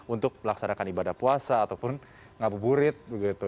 untuk melaksanakan ibadah puasa ataupun ngapu burit begitu